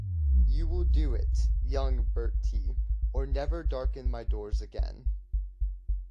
You will do it, young Bertie, or never darken my doors again.